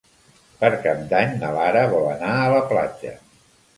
Per Cap d'Any na Lara vol anar a la platja.